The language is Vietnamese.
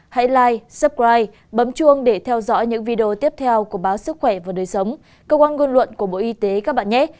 hãy live supride bấm chuông để theo dõi những video tiếp theo của báo sức khỏe và đời sống cơ quan ngôn luận của bộ y tế các bạn nhét